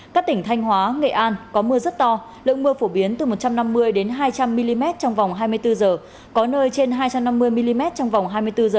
các tỉnh thanh hóa nghệ an có mưa rất to lượng mưa phổ biến từ một trăm năm mươi hai trăm linh mm trong vòng hai mươi bốn h có nơi trên hai trăm năm mươi mm trong vòng hai mươi bốn h